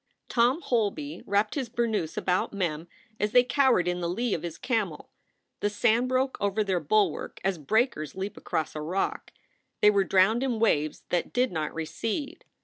Tom Holby wrapped his burnous about Mem as they cowered in the lee of his camel. The sand broke over their bulwark as breakers leap across a rock. They were drowned in waves that did not recede.